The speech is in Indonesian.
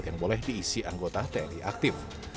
yang boleh diisi anggota tni aktif